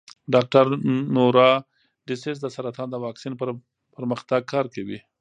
ډاکټر نورا ډسیس د سرطان د واکسین پر پرمختګ کار کوي.